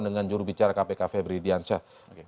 dengan jurubicara kpk febri diansyah